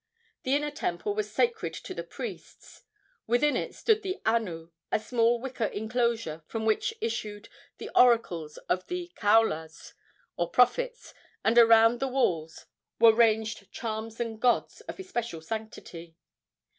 The inner temple was sacred to the priests. Within it stood the anu, a small wicker enclosure, from which issued the oracles of the kaulas, or prophets, and around the walls were ranged charms and gods of especial sanctity.